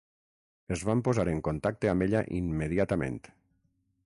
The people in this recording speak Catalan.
Es van posar en contacte amb ella immediatament.